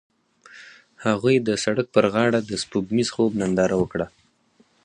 هغوی د سړک پر غاړه د سپوږمیز خوب ننداره وکړه.